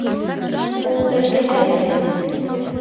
Ул эргәлә генә!